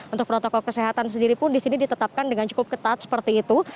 untuk protokol kesehatan sendiri pun di sini ditetapkan dengan cukup ketat seperti itu